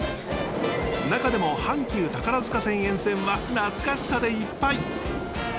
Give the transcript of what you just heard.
中でも阪急宝塚線沿線は懐かしさでいっぱい。